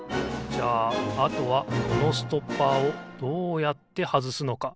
じゃああとはこのストッパーをどうやってはずすのか？